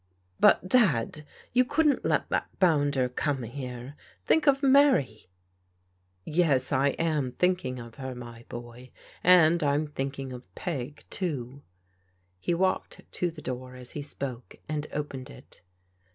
" But, Dad, you couldn't let that boimder come here! Think of Mary !"" Yes, I am thinking of her, my boy, and I'm thinking of Peg, too." He walked to the door as he spoke and opened it.